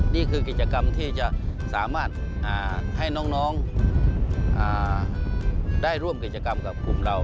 นี่คือกิจกรรมที่จะสามารถให้น้องได้ร่วมกิจกรรมกับกลุ่มเรา